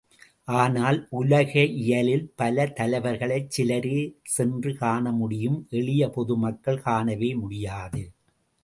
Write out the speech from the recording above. ஆனால், உலகியலில் பல தலைவர்களைச் சிலரே சென்று காணமுடியும் எளிய பொது மக்கள் காணவே முடியாது.